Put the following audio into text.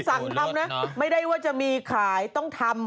สั่งทำนะไม่ได้ว่าจะมีขายต้องทำ